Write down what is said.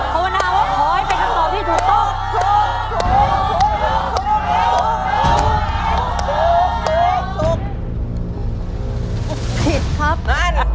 ถูกถูกถูกถูกถูกถูก